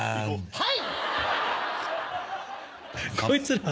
はい。